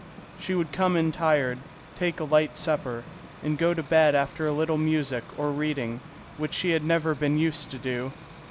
She would come in tired, take a light supper, and go to bed after a little music or reading, which she had never been used to do.